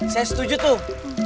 saya setuju tuh